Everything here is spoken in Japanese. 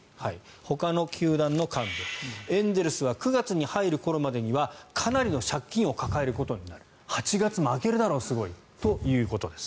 ほかの球団の幹部、エンゼルスは９月に入る頃までにはかなりの借金を抱えることになる８月負けるだろう、すごいということです。